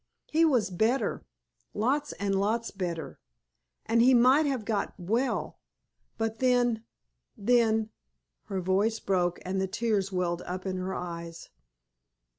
He was better—lots and lots better, and he might have got well, but then—then——" Her voice broke and the tears welled up into her eyes.